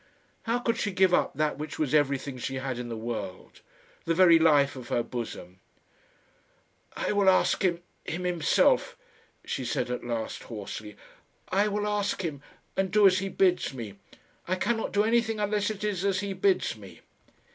How could she give up that which was everything she had in the world the very life of her bosom? "I will ask him him himself," she said at last, hoarsely. "I will ask him, and do as he bids me. I cannot do anything unless it is as he bids me."